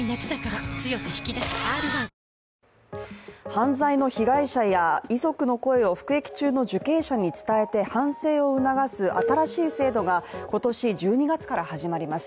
犯罪の被害者や遺族の声を服役中の受刑者に伝えて反省を促す新しい制度が今年１２月から始まります。